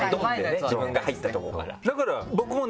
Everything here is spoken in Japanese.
自分が入ったとこから。